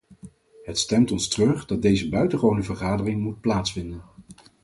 Het stemt ons treurig dat deze buitengewone vergadering moet plaatsvinden.